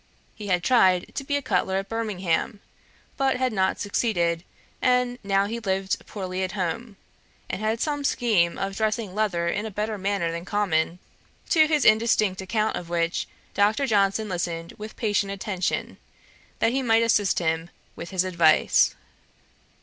He had tried to be a cutler at Birmingham, but had not succeeded; and now he lived poorly at home, and had some scheme of dressing leather in a better manner than common; to his indistinct account of which, Dr. Johnson listened with patient attention, that he might assist him with his advice.